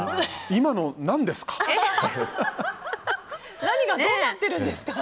今の、何ですか？